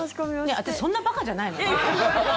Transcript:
私、そんな馬鹿じゃないよ。